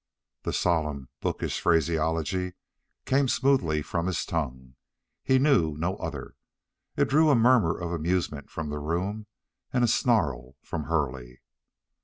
The solemn, bookish phraseology came smoothly from his tongue. He knew no other. It drew a murmur of amusement from the room and a snarl from Hurley.